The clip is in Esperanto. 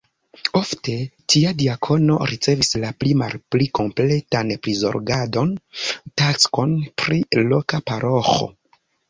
Ofte tia diakono ricevas la pli malpli kompletan prizorgado-taskon pri loka paroĥo.